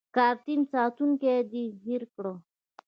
کاترین: ساتونکی دې هېر کړ.